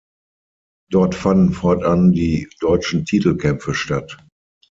Dort fanden fortan die deutschen Titelkämpfe statt.